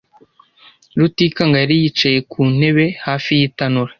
Rutikanga yari yicaye ku ntebe hafi y'itanura.